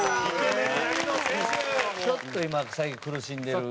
ちょっと今最近苦しんでる。